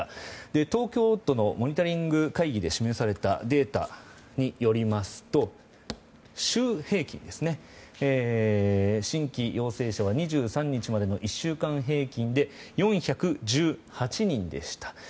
東京都のモニタリング会議で示されたデータによりますと新規陽性者は２３日までの１週間平均で４１８人でした。